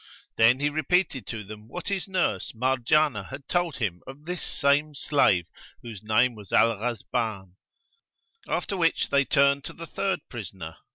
Then he repeated to them what his nurse Marjanah had told him of this same slave whose name was Al Ghazban; after which they turned to the third prisoner.